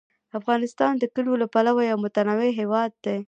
افغانستان د کلیو له پلوه یو متنوع هېواد دی.